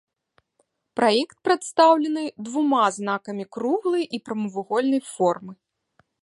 Праект прадстаўлены двума знакамі круглай і прамавугольнай формы.